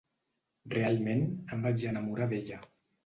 Realment, em vaig enamorar d'ella.